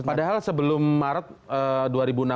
padahal sebelum maret dua ribu enam belas